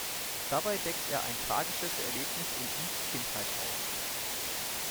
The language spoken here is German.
Dabei deckt er ein tragisches Erlebnis in Eves Kindheit auf.